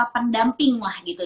pendamping lah gitu